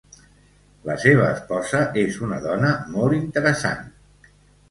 La seva esposa és una dona molt interessant.